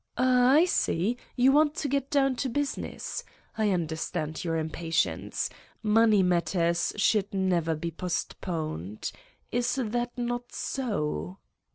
..." "Ah, I see, you want to get down to business t I understand your impatience. Money matters should never be postponed. Is that not so